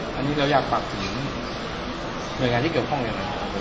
บ๊วยอันนี้เราอยากฝากคือหน่วยงานที่เกี่ยวข้องแหละครับ